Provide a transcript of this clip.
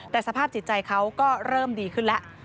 แต่สภาพจิตใจเขาก็เริ่มดีขึ้นแล้ว